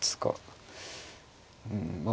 うんまあ